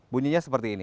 bunyinya seperti ini